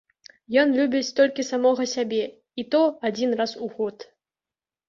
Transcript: Ён любіць толькі самога сябе і то адзін раз у год